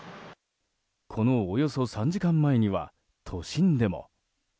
このおよそ３時間前には都心でも。